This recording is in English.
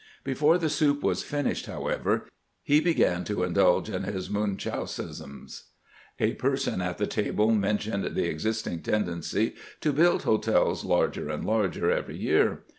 Before the soup was finished, how 340 CAMPAIGNING WITH GRANT ever, he began to indulge in Ms Muncliausenisms. A person at tlie table mentioned the existing tendency to build hotels larger and larger every year.